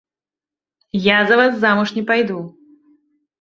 Я за вас замуж не пайду.